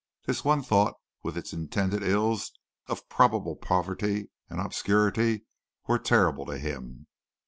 This one thought with its attendant ills of probable poverty and obscurity were terrible to him.